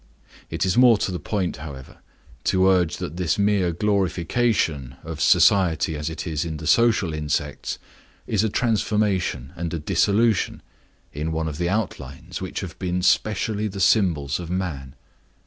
It is more to the point, however, to urge that this mere glorification of society as it is in the social insects is a transformation and a dissolution in one of the outlines which have been specially the symbols of man.